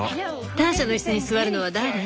ターシャのイスに座るのは誰？